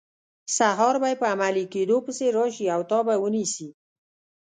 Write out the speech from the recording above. سهار به یې په عملي کیدو پسې راشي او تا به ونیسي.